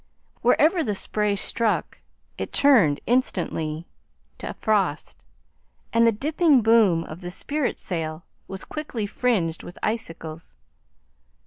Wherever the spray struck, it turned instantly to frost, and the dipping boom of the spritsail was quickly fringed with icicles.